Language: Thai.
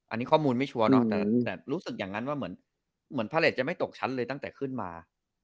อันนี้ข้อมูลไม่ชัวร์เนาะแต่รู้สึกอย่างนั้นว่าเหมือนพระเลสจะไม่ตกชั้นเลยตั้งแต่ขึ้นมา